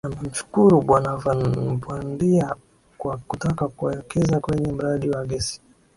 Amemshukuru Bwana Van Beurdenya kwa kutaka kuwekeza kwenye mradi wa Gesi